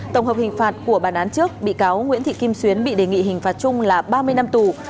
tổng hợp hình phạt của bản án trước bị cáo nguyễn thị kim xuyến bị đề nghị hình phạt chung là ba mươi năm tù